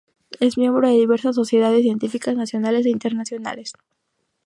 Es miembro de diversas sociedades científicas nacionales e internacionales.